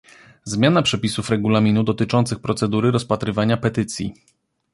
Zmiana przepisów regulaminu dotyczących procedury rozpatrywania petycji